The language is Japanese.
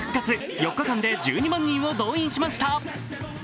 ４日間で１２万人を動員しました。